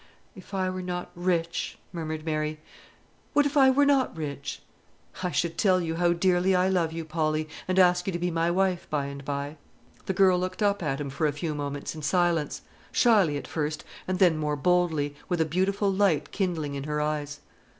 "If I were not rich!" murmured Mary; "what if I were not rich?" "I should tell you how dearly I love you, Polly, and ask you to be my wife by and by." The girl looked up at him for a few moments in silence, shyly at first, and then more boldly, with a beautiful light kindling in her eyes.